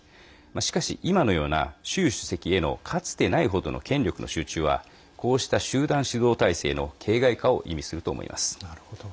しかし、今のような習主席へのかつてないほどの権力の集中はこうした集団指導体制の形骸化を意味すると思います。